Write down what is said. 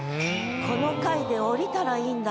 この階で降りたらいいんだろうか？